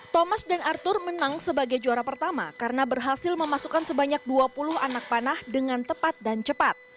thomas dan arthur menang sebagai juara pertama karena berhasil memasukkan sebanyak dua puluh anak panah dengan tepat dan cepat